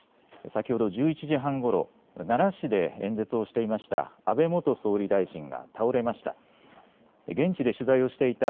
先ほど１１時半ごろ、奈良市で演説をしていました安倍元総理大臣が倒れました。